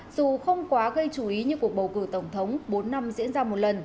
dù không quá gây chú ý như cuộc bầu cử tổng thống bốn năm diễn ra một lần